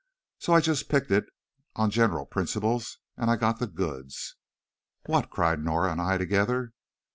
So I just picked it on general principles. And I got the goods!" "What?" cried Norah and I together.